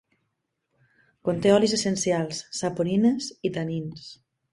Conté olis essencials, saponines i tanins.